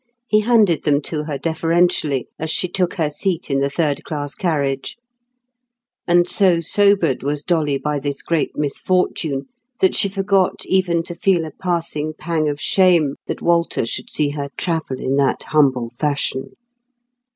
He handed them to her deferentially as she took her seat in the third class carriage; and so sobered was Dolly by this great misfortune that she forgot even to feel a passing pang of shame that Walter should see her travel in that humble fashion.